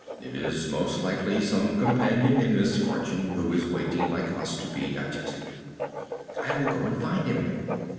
"It is most likely some companion in misfortune who is waiting, like us, to be digested." "I will go and find him.